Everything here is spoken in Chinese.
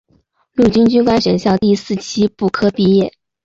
陆军军官学校第四期步科毕业。